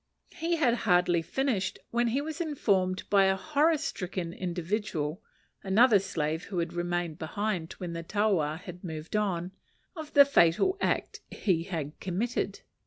He had hardly finished, when he was informed by a horror stricken individual another slave who had remained behind when the taua had moved on of the fatal act he had committed.